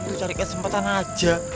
pak rt itu cari kesempatan aja